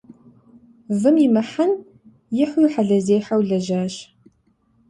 Вым имыхьын ихьу хьэлъэзехьэу лэжьащ.